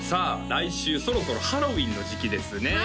来週そろそろハロウイーンの時期ですね